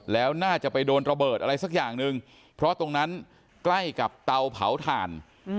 แล้วน่าจะไปโดนระเบิดอะไรสักอย่างหนึ่งเพราะตรงนั้นใกล้กับเตาเผาถ่าน